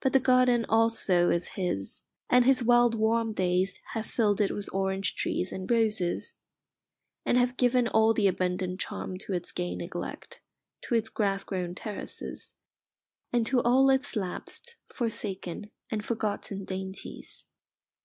But the garden also is his, and his wild warm days have filled it with orange trees and roses, and have given all the abundant charm to its gay neglect, to its grass grown terraces, and to all its lapsed, forsaken, and forgotten dainties.